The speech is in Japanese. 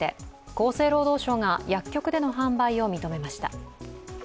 厚生労働省が薬局での販売を認めました。